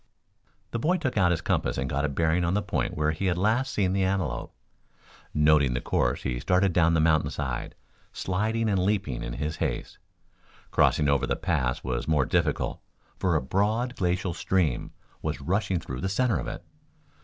The boy took out his compass and got a bearing on the point where he had last seen the antelope. Noting the course he started down the mountain side, sliding and leaping in his haste. Crossing over the pass was more difficult, for a broad glacial stream was rushing through the center of it.